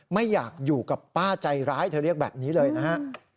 ไม่อยากอยู่กับป้าใจร้ายเธอเรียกแบบนี้เลยนะฮะ